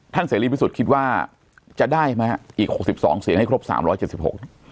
เสรีพิสุทธิ์คิดว่าจะได้ไหมอีกหกสิบสองเสียงให้ครบสามร้อยเจ็ดสิบหก